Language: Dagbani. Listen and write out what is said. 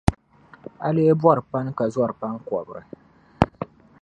A lee bɔri pani ka zɔri pan’ kɔbiri.